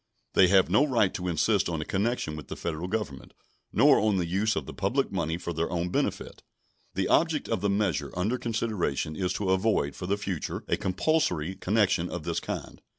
They have no right to insist on a connection with the Federal Government, nor on the use of the public money for their own benefit. The object of the measure under consideration is to avoid for the future a compulsory connection of this kind.